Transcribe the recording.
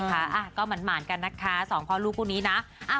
นะคะก็หมานกันนะคะ๒พอลูกพวกนี้นะ